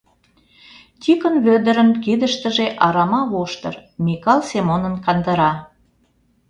Тикын Вӧдырын кидыштыже арама воштыр, Микал Семонын — кандыра.